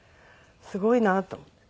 すごいなと。